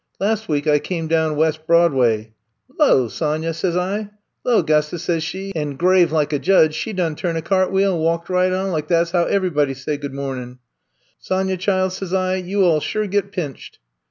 Las ' week I came down Wes' Broadway. *'Lo, Sonya,' sez I. *'Lo, 'Gusta,' sez she, an', grave like a judge, she done turn a cart w'eel and walked right on lak that 's how ev 'vybuddy say good mornin'. * Sonya, chile,' sez I, *you alI sure get pinched.'